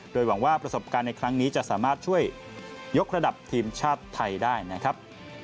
โดยหวังว่าประสบการณ์ในครั้งนี้จะสามารถช่วยยกระดับทีมชาติไทยได้นะครับ